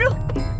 gak gak gak